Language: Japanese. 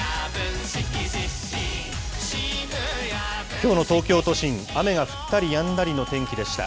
きょうの東京都心、雨が降ったりやんだりの天気でした。